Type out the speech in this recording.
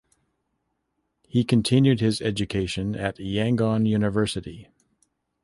He continued his education at Yangon University.